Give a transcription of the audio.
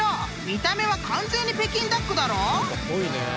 見た目は完全に北京ダックだろ］